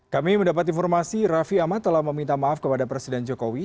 kami mendapat informasi raffi ahmad telah meminta maaf kepada presiden jokowi